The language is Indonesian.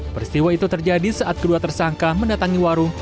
peristiwa itu terjadi saat kedua tersangka mendatangi warung